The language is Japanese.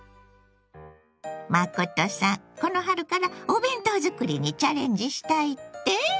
真さんこの春からお弁当作りにチャレンジしたいって？